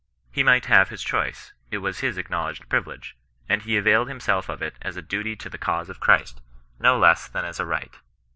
He might have his choice ; it was his ac knowledged privilege ; and he availed himself of it as a duty to the cause of Christ, no less than as a right.